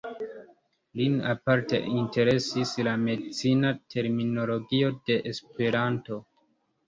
Lin aparte interesis la medicina terminologio de Esperanto.